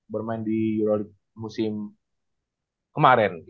bermain di euroli musim kemarin